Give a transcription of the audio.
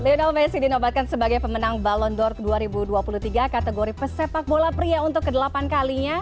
lionel messi dinobatkan sebagai pemenang balon door dua ribu dua puluh tiga kategori pesepak bola pria untuk ke delapan kalinya